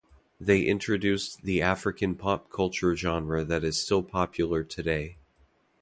They introduced the African pop culture genre that is still popular today.